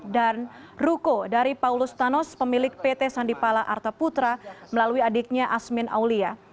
dan ruko dari paulus thanos pemilik pt sandipala arta putra melalui adiknya asmin aulia